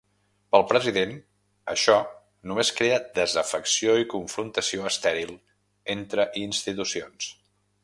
Pel president, això ‘només crea desafecció i confrontació estèril entre institucions’.